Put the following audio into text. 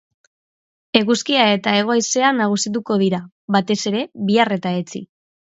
Eguzkia eta hego haizea nagusituko dira, batez ere, bihar eta etzi.